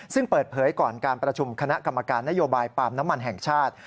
ซึ่งเปิดเผยก่อนการประชุมคณะกรรมการนโยบายปาล์มน้ำมันแห่งชาติ